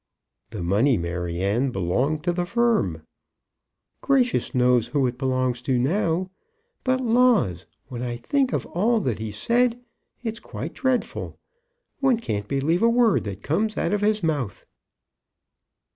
"The money, Maryanne, belonged to the firm." "Gracious knows who it belongs to now. But, laws; when I think of all that he said, it's quite dreadful. One can't believe a word that comes out of his mouth."